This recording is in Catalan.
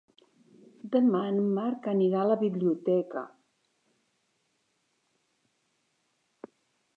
Demà en Marc anirà a la biblioteca.